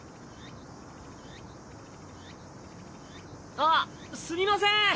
あすみません。